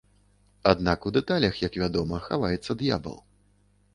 Аднак у дэталях, як вядома, хаваецца д'ябал.